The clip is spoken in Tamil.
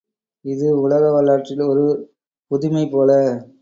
இது உலக வரலாற்றிற்கு ஒரு புதுமை போல!